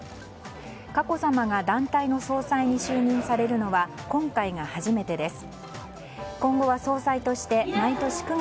佳子さまが団体の総裁に就任されるのは今回が初めてです。